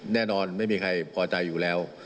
แน่นอนไม่มีใครพอใจอยู่แล้ว